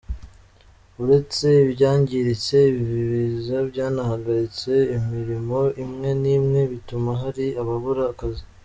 Uretse ibyangiritse, ibi biza byanahagaritse imirimo imwe n’imwe bituma hari ababura akazi.